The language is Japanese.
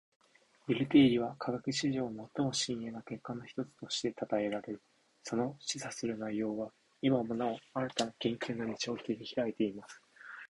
ベル定理は科学史上最も深遠な結果の一つとして讃えられ，その示唆する内容は今もなお新たな研究の道を切り拓いています．